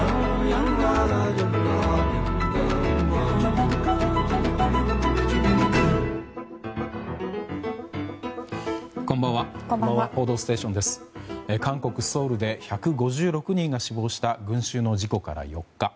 韓国ソウルで１５６人が死亡した群衆の事故から４日。